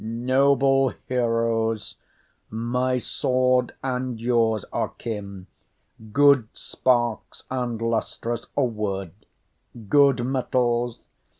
Noble heroes, my sword and yours are kin. Good sparks and lustrous, a word, good metals.